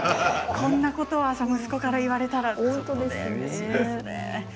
こんなことを朝、息子から言われたらうれしいですね。